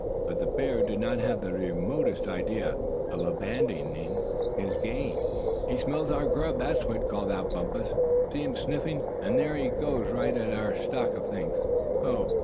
But the bear did not have the remotest idea of abandoning his game. "He smells our grub, that's what!" called out Bumpus. "See him sniffing, would you? And there he goes, right at our stock of things. Oh!